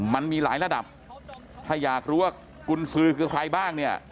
มันมีหลายระดับถ้าอยากรู้ว่ากุญสือคือใครบ้างเนี่ย